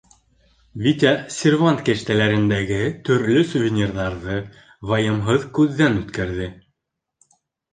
Витя сервант кәштәләрендәге төрлө сувенирҙарҙы вайымһыҙ күҙҙән үткәрҙе.